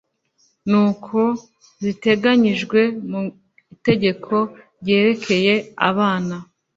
nuko ziteganyijwe mu itegeko ryerekeye abana